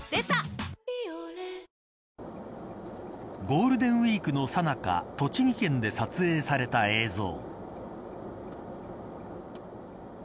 ゴールデンウイークのさなか栃木県で撮影された映像。